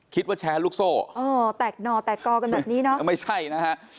คิดว่าแชลุอย์โซอ้อแตกนอแตกกอกันแบบนี้นะไม่ใช่นะฮะ